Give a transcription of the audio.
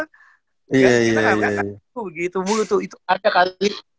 gak dapet duit anak anak gitu gitu mulu tuh